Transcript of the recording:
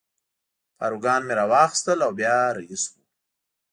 پاروګان مې را واخیستل او بیا رهي شوو.